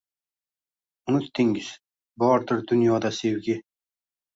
Unutdingiz, bordir dunyoda sevgi